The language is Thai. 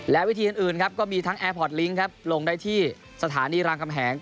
และวิธีอื่นครับก็มีทั้งแอร์พอร์ตลิงค์ครับลงได้ที่สถานีรามคำแหง